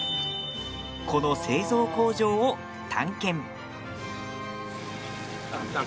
この製造工場を探検。